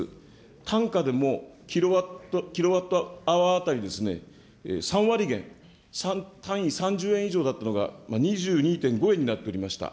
単価でもキロワットアワー当たり、３割減、単位３０円以上だったのが、２２．５円になっておりました。